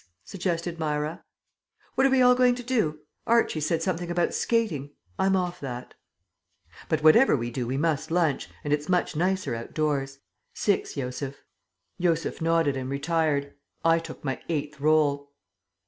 suggested Myra. "What are we all going to do? Archie said something about skating. I'm off that." "But whatever we do we must lunch, and it's much nicer outdoors. Six, Josef." Josef nodded and retired. I took my eighth roll.